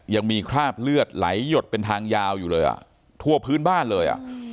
ยังมีคราบเลือดไหลหยดเป็นทางยาวอยู่เลยอ่ะทั่วพื้นบ้านเลยอ่ะ